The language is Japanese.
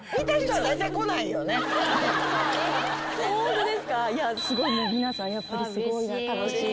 いや皆さんやっぱりすごい。